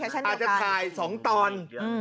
อาจจะถ่าย๒ตอน